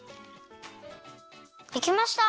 できました！